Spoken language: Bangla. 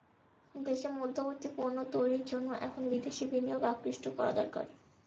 দেশে মধ্যবর্তী পণ্য তৈরির জন্য এখন বিদেশি বিনিয়োগ আকৃষ্ট করা দরকার।